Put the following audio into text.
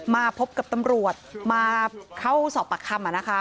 มาพบกับตำรวจมาเข้าสอบปากคำ